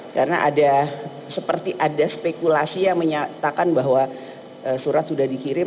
karena ada seperti ada spekulasi yang menyatakan bahwa surat sudah dikirim